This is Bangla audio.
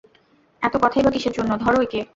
এতো কথাই বা কীসের জন্য, ধরো একে!